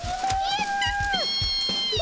やったっピ！